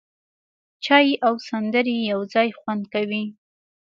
چای او سندرې یو ځای خوند کوي.